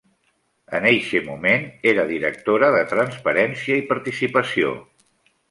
En eixe moment era Directora de Transparència i Participació.